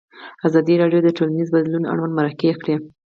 ازادي راډیو د ټولنیز بدلون اړوند مرکې کړي.